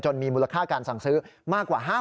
มีมูลค่าการสั่งซื้อมากกว่า๕๐๐